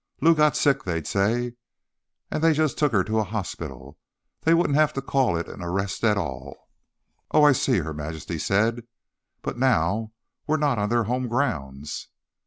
Lou got sick, they'd say, and they just took her to the hospital. They wouldn't have to call it an arrest at all." "Oh, I see," Her Majesty said. "But now we're not on their home grounds."